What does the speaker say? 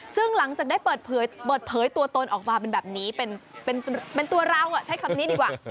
ซึ่งหลังจากได้เปิดเผยตัวตนออกมาเป็นแบบนี้เป็นตัวเราใช้คำนี้ดีกว่า